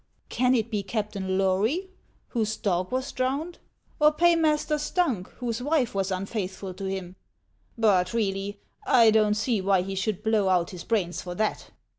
Can it be Captain Lory, whose dog was drowned, or Paymaster Stunck, whose wife was unfaithful to him 1 But, really, I don't see wrhy he should blow out his brains for that